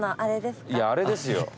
いやあれですよ。